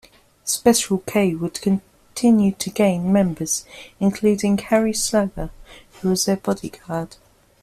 Special K would continue to gain members, including Harry Slugger, who was their bodyguard.